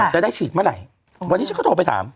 จะได้ฉีดเมื่อไหร่วันนี้ฉันก็โทรไปถาม